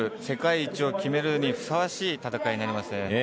世界一を決めるのにふさわしい戦いになりますね。